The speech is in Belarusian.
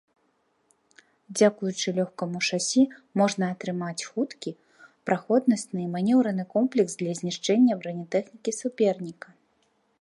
Дзякуючы лёгкаму шасі можна атрымаць хуткі, праходнасны і манеўраны комплекс для знішчэння бранятэхнікі суперніка.